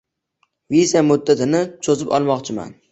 Viza muddatini cho'zib olmoqchiman.